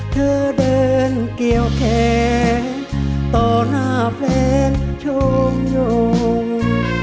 เธอเดินเกี่ยวแขนต่อหน้าแฟนชมยง